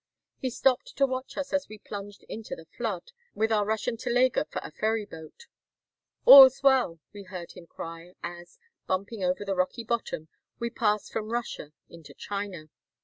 He stopped to watch us as we plunged into the flood, with our Russian telega for a ferry boat. "All's well," we heard him cry, as, bumping over the rocky bottom, we passed from IV 129 Russia into China.